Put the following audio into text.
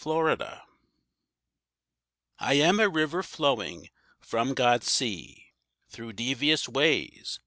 =The River= I am a river flowing from God's sea Through devious ways.